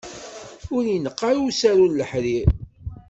Ur ineqq ara usaru n leḥrir.